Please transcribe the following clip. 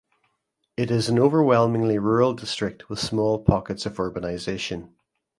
It is an overwhelmingly rural district with small pockets of urbanisation.